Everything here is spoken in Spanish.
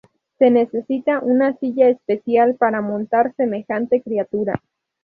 Se necesita una silla especial para montar semejante criatura.